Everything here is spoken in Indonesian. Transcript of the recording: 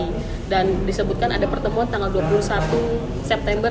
menyebutkan ada pertemuan tanggal dua puluh satu september